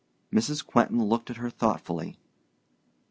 Mrs. Quentin looked at her thoughtfully.